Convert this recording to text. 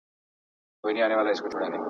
په هره ټولنه کي د خلګو ژمنتیا ستایل کېږي.